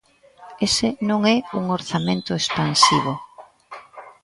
Ese non é un orzamento expansivo.